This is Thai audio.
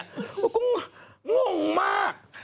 มันก็งงมาก